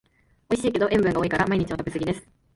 おいしいけど塩分が多いから毎日は食べすぎです